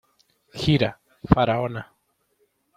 Gira, ¡Faraona!